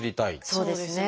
そうですね。